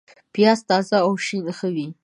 پیاز تازه او شین ښه وي